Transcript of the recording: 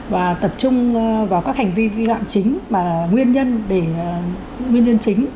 và tập trung vào các hành vi vi phạm chính và nguyên nhân để nguyên nhân chính